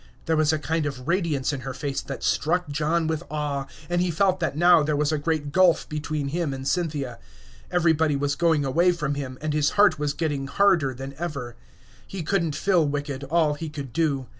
There was a kind of radiance in her face that struck John with awe, and he felt that now there was a great gulf between him and Cynthia. Everybody was going away from him, and his heart was getting harder than ever. He could n't feel wicked, all he could do.